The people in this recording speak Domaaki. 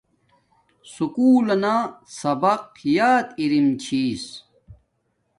سکُول لنا سبق یات ارم چھس